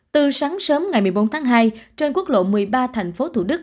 từ sáng sớm ngày một mươi bốn tháng hai trên quốc lộ một mươi ba thành phố thủ đức